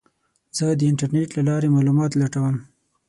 زه د انټرنیټ له لارې معلومات لټوم.